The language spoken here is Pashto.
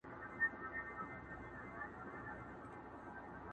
له کتابه یې سر پورته کړ اسمان ته٫